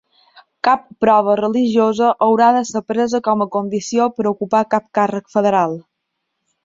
Cap prova religiosa haurà de ser presa com a condició per ocupar cap càrrec federal.